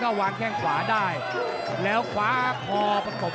กาดเกมสีแดงเดินแบ่งมูธรุด้วย